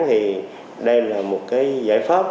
thì đây là một cái giải pháp